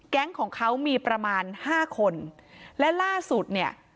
ของเขามีประมาณห้าคนและล่าสุดเนี่ย